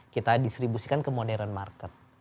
kita distribusikan ke modern market